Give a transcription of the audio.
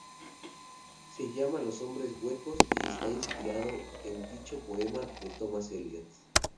Se llama Los hombres huecos, y está inspirado en dicho poema de Thomas Elliot.